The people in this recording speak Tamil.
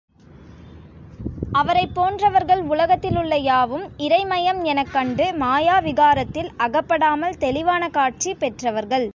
அவரைப் போன்றவர்கள் உலகத்திலுள்ள யாவும் இறைமயம் எனக் கண்டு மாயா விகாரத்தில் அகப்படாமல் தெளிவான காட்சி பெற்றவர்கள்.